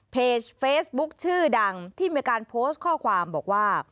เพจเฟซบุ๊คชื่อดังที่มีการโพสต์ข้อความบอกว่า